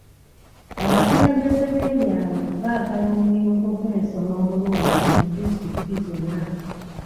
Abakulembeze b'ebyalo baagala omuyungo gw'ensoma omulungi mu disitulikiti zonna.